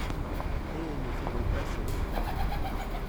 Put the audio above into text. Eh ! ne fais donc pas sonner !